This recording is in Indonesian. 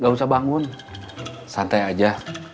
gak usah bangun santai aja